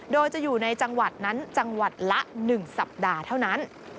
โดยจะอยู่ในจังหวัดละ๑สัปดาห์เท่านั้น